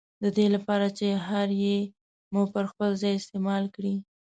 ددې له پاره چي هره ي مو پر خپل ځای استعمال کړې